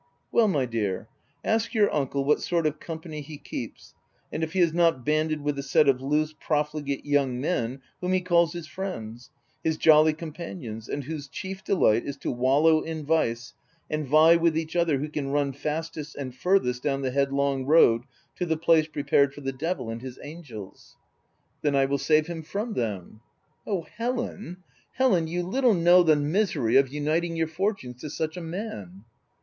u Well my dear, ask your uncle what sort of company he keeps, and if he is not banded with a set of loose, profligate young men, whom he VOL. I. P 314 THE TENANT calls his friends — his jolly companions, and whose chief delight is to wallow in vice, and vie with each other who can run fastest and farthest down the headlong road, to the place prepared for the devil and his angels.'* u Then, I will save him from them." u Oh, Helen, Helen ! you little know the misery of uniting your fortunes to such a man